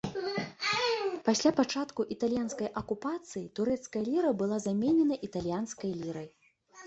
Пасля пачатку італьянскай акупацыі, турэцкая ліра была заменена італьянскай лірай.